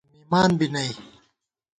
مِمان بی نئ